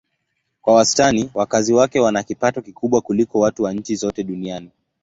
Kwa wastani wakazi wake wana kipato kikubwa kuliko watu wa nchi zote duniani.